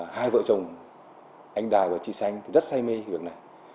hai vợ chồng anh đài và chị xanh thì rất say mê việc này